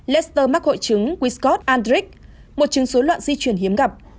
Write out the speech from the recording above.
lester mắc hội chứng wiscott andrick một chứng số loạn di truyền hiếm gặp